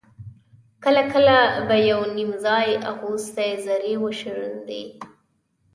کله کله به يو _نيم ځای اغوستې زرې وشرنګېدې.